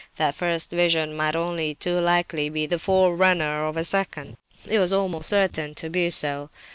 That first vision might only too likely be the forerunner of a second; it was almost certain to be so.